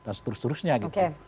dan seterus terusnya gitu